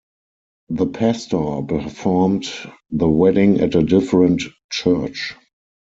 The pastor performed the wedding at a different church.